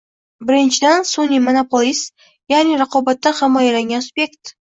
Birinchidan, sunʼiy monopolist, yaʼni raqobatdan himoyalangan subyekt